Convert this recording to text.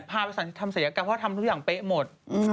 พาไปทำเสียงการเพราะว่าทำทุกอย่างเป๊ะหมด